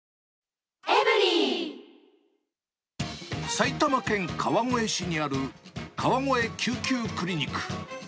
埼玉県川越市にある川越救急クリニック。